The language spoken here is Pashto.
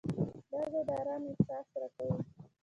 دا ځای د آرام احساس راکوي.